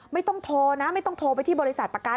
ไม่ต้องโทรนะไม่ต้องโทรไปที่บริษัทประกัน